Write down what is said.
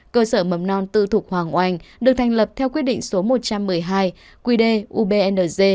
cơ sở mầm non tư thuộc hoàng anh được thành lập theo quyết định số một trăm một mươi hai quy đề ubnz